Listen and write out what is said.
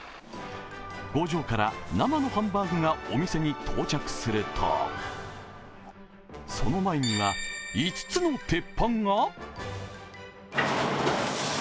工場から生のハンバーグがお店に到着するとその前には、５つの鉄板が。